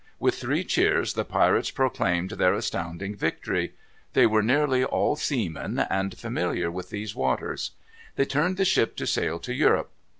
With three cheers the pirates proclaimed their astounding victory. They were nearly all seamen, and familiar with those waters. They turned the ship to sail to Europe.